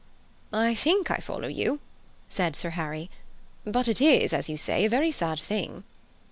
"I think I follow you," said Sir Harry; "but it is, as you say, a very sad thing."